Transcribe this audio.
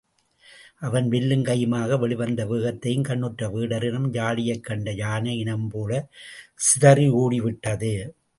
அவன் வில்லும் கையுமாக வெளிவந்த வேகத்தைக் கண்ணுற்ற வேடர் இனம், யாளியைக் கண்ட யானை இனம்போலச் சிதறி ஓடிவிட்டது.